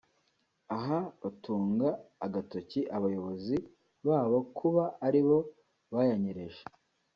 Aha batunga agatoki abayobozi babo kuba ari bo bayanyereje